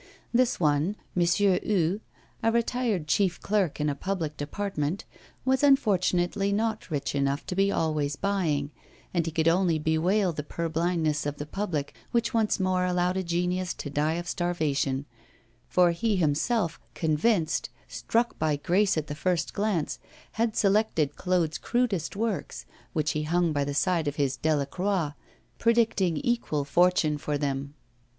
This one, M. Hue, a retired chief clerk in a public department, was unfortunately not rich enough to be always buying, and he could only bewail the purblindness of the public, which once more allowed a genius to die of starvation; for he himself, convinced, struck by grace at the first glance, had selected Claude's crudest works, which he hung by the side of his Delacroix, predicting equal fortune for them.